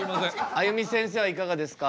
あゆみせんせいはいかがですか？